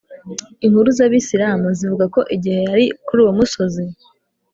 inkuru z’abisilamu zivuga ko igihe yari kuri uwo musozi,